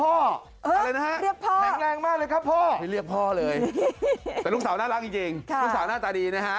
อะไรนะฮะเรียกพ่อแข็งแรงมากเลยครับพ่อไม่เรียกพ่อเลยแต่ลูกสาวน่ารักจริงลูกสาวหน้าตาดีนะฮะ